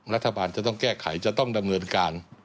รัฐบาลจะต้องแก้ไขจะต้องดำเนินการ